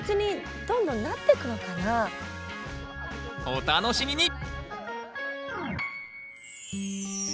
お楽しみに！